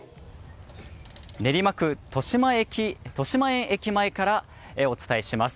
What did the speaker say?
練馬区としまえん駅前からお伝えします。